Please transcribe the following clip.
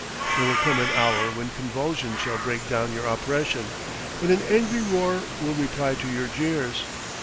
There will come an hour when convulsion shall break down your oppression; when an angry roar will reply to your jeers.